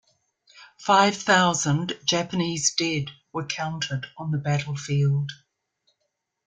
Five thousand Japanese dead were counted on the battlefield.